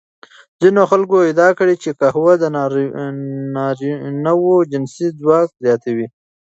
ځینو خلکو ادعا کړې چې قهوه د نارینوو جنسي ځواک زیاتوي.